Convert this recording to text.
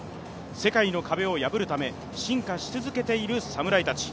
世界の壁を破るため、進化し続けている侍たち。